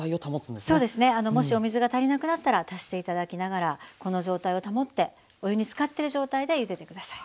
そうですねもしお水が足りなくなったら足して頂きながらこの状態を保ってお湯につかってる状態でゆでてください。